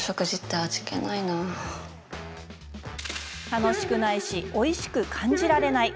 楽しくないしおいしく感じられない